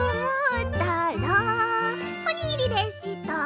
「おにぎりでした」